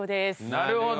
なるほど。